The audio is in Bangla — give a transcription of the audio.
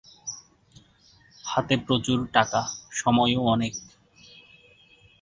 হাতে প্রচুর টাকা; সময়ও অনেক।